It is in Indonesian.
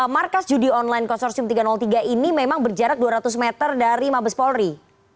markas judi online konsorsium tiga ratus tiga ini memang berjarak dua ratus meter dari mabes polri